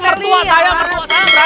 mertua saya mertua saya